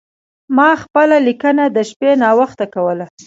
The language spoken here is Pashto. ما خپله لیکنه د شپې ناوخته کوله.